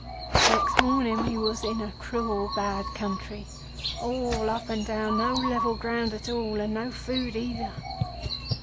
"Next morning we was in a cruel bad country—all up and down, no level ground at all, and no food either.